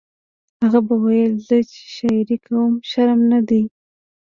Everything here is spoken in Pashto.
هغه به ویل زه چې شاعري کوم شرم نه دی